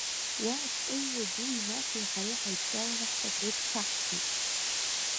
Уа ашәҟәыҩҩы ду имаҭеи ҳареи ҳаидтәаланы ҳпатреҭ ҭаҳхит.